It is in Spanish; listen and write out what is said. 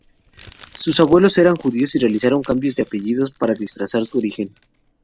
Sus abuelos eran judíos y realizaron cambios de apellidos para disfrazar su origen.